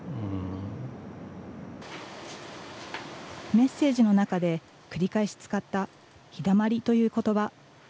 メッセージの中で繰り返し使った陽だまりということば。